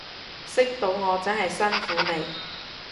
識到我真係辛苦你